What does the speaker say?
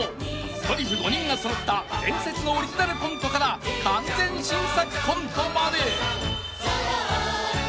［ドリフ５人が揃った伝説のオリジナルコントから完全新作コントまで］